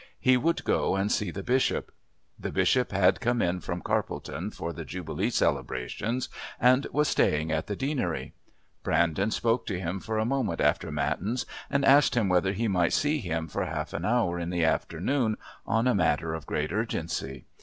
He would go and see the Bishop. The Bishop had come in from Carpledon for the Jubilee celebrations and was staying at the Deanery. Brandon spoke to him for a moment after Matins and asked him whether he might see him for half an hour in the afternoon on a matter of great urgency.